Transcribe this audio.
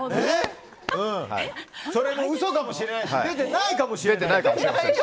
それも嘘かもしれないし出てないかもしれない。